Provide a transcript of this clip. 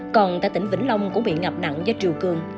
còn tại tỉnh vĩnh long cũng bị ngập nặng do triều cường